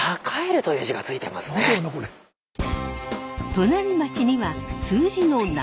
隣町には数字の七。